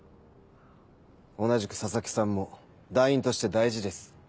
同じく佐々木さんも団員として大事です。